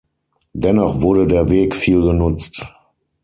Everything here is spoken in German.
Dennoch wurde der Weg viel genutzt.